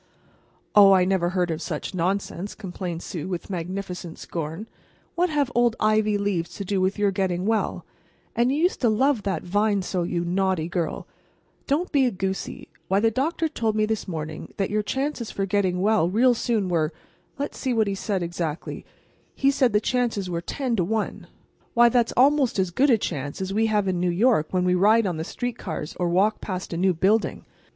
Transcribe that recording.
"Oh, I never heard of such nonsense," complained Sue, with magnificent scorn. "What have old ivy leaves to do with your getting well? And you used to love that vine so, you naughty girl. Don't be a goosey. Why, the doctor told me this morning that your chances for getting well real soon were—let's see exactly what he said—he said the chances were ten to one! Why, that's almost as good a chance as we have in New York when we ride on the street cars or walk past a new building.